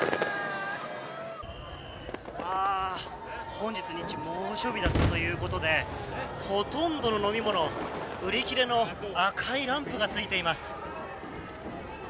本日、日中猛暑日だったということでほとんどの飲み物、売り切れの赤いランプがついています。